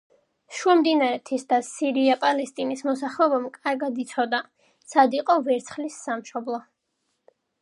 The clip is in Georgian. შუამდინარეთის და სირია-პალესტინის მოსახლეობამ კარგად იცოდა, სად იყო ვერცხლის სამშობლო.